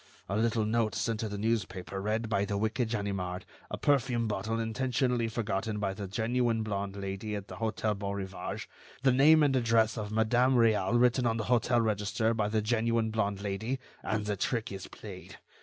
A little note sent to the newspaper read by the wicked Ganimard, a perfume bottle intentionally forgotten by the genuine blonde Lady at the Hôtel Beaurivage, the name and address of Madame Réal written on the hotel register by the genuine blonde Lady, and the trick is played.